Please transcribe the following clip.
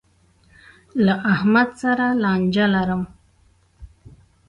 له احمد سره لانجه لرم.